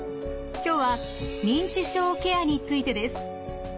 今日は認知症ケアについてです。